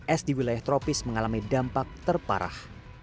es di wilayah tropis mengalami dampak terparah